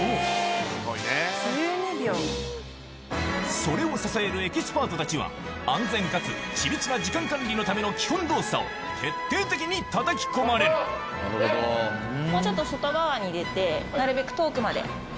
それを支えるエキスパートたちは安全かつ緻密な時間管理のための基本動作を徹底的にたたき込まれるもうちょっと。